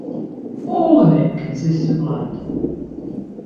All of it consists of land.